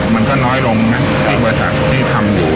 มันก็น้อยลงให้บริษัททำอยู่